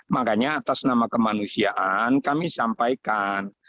makanya atas nama kemanusiaan